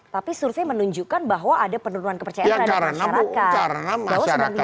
tapi survei menunjukkan bahwa ada penurunan kepercayaan terhadap masyarakat